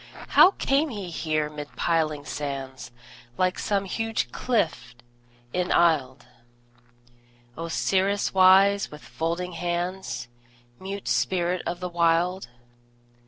How came he here mid piling sands, Like some huge cliff enisled, Osiris wise, with folded hands, Mute spirit of the Wild?